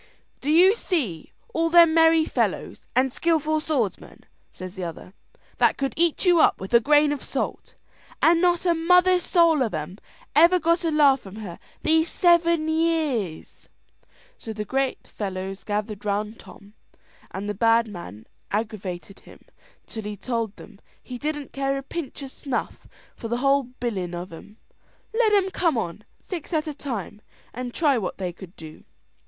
"Do you see all them merry fellows and skilful swordsmen," says the other, "that could eat you up with a grain of salt, and not a mother's soul of 'em ever got a laugh from her these seven years?" So the fellows gathered round Tom, and the bad man aggravated him till he told them he didn't care a pinch o' snuff for the whole bilin' of 'em; let 'em come on, six at a time, and try what they could do.